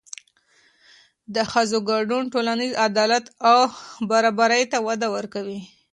د ښځو ګډون ټولنیز عدالت او برابري ته وده ورکوي.